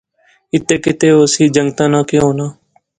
اتے کتے ہوسی، جنگتیں ناں کہہ ہونا